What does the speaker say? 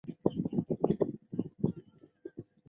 这是他们自己注资的几个项目之一。